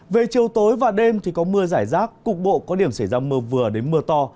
về chiều tối và đêm thì có mưa giải rác cục bộ có điểm xảy ra mưa vừa đến mưa to